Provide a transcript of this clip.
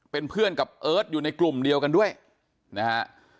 เป็นเพื่อนกับเอิร์ทอยู่ในกลุ่มเดียวกันด้วยนะฮะ